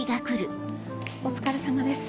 お疲れさまです。